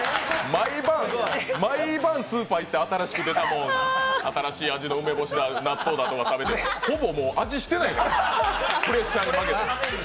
毎晩、スーパー行って新しく出たもの、新しい味の梅干し、納豆を食べて、ほぼ味してないから、プレッシャーに負けて。